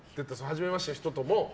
はじめましての人とも。